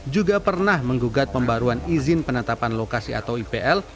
juga pernah menggugat pembaruan izin penetapan lokasi atau ipl